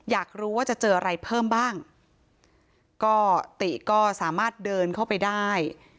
อยากรู้ว่าจะเจออะไรเพิ่มบ้างก็ติก็สามารถเดินเข้าไปได้